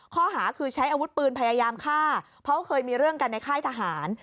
ข้อหาคือใช้อาวุธปืนพยายามฆ่าเพราะเคยมีเรื่องกันในค่ายทหาร